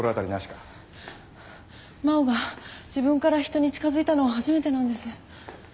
真央が自分から人に近づいたのは初めてなんです。